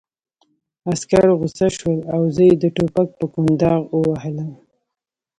عسکر غوسه شول او زه یې د ټوپک په کونداغ ووهلم